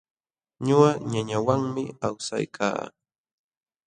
Ñuqa ñañawanmi awsaykaa.